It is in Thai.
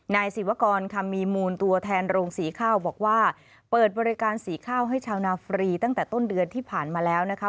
นายศิวกรคำมีมูลตัวแทนโรงสีข้าวบอกว่าเปิดบริการสีข้าวให้ชาวนาฟรีตั้งแต่ต้นเดือนที่ผ่านมาแล้วนะคะ